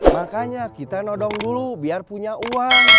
makanya kita nodong dulu biar punya uang